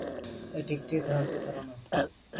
এটি একটি ভ্রান্ত ধারণা।